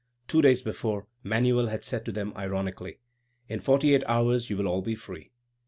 Two days before, Manuel had said to them ironically: "In forty eight hours you will all be free.